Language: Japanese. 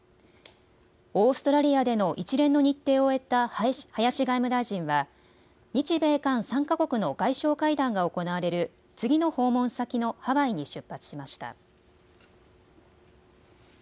オーストラリアでの一連の日程を終えた林外務大臣は日米韓３か国の外相会談が行われる次の訪問先のハワイに出発しました。